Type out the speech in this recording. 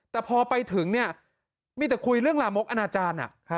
แต่พอไปถึงเนี่ยมีแต่คุยเรื่องลามกอนาจารย์